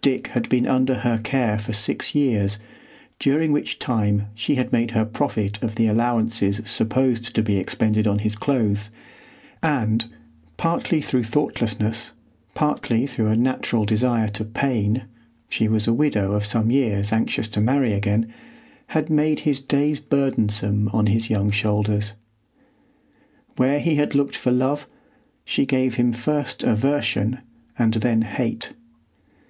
Dick had been under her care for six years, during which time she had made her profit of the allowances supposed to be expended on his clothes, and, partly through thoughtlessness, partly through a natural desire to pain,—she was a widow of some years anxious to marry again,—had made his days burdensome on his young shoulders. Where he had looked for love, she gave him first aversion and then hate.